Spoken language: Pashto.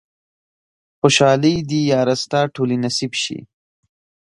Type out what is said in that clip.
خوشحالۍ دې ياره ستا ټولې نصيب شي